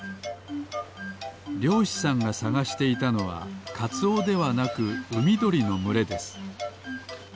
りょうしさんがさがしていたのはカツオではなくうみどりのむれです。